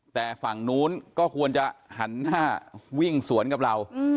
แต่ฝั่งนู้นก็ควรจะหันหน้าวิ่งสวนกับเรา